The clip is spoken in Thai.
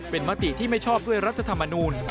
เป็นมติที่ไม่ชอบด้วยรัฐธรรมนูล